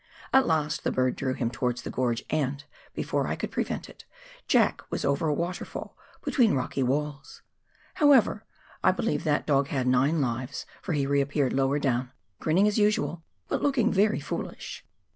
At last the bird drew him towards the gorge and, before I could prevent it, Jack was over a waterfall between the rocky walls. However, I believe that dog had nine lives, for he reappeared lower down, grinning as usual, but looking very foolish